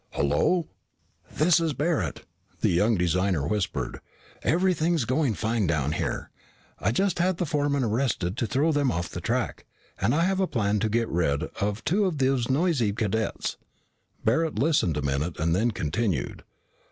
"Hello?" "This is Barret," the young designer whispered. "Everything's going fine down here. I just had the foreman arrested to throw them off the track, and I have a plan to get rid of two of these nosy cadets." Barret listened a minute and then continued.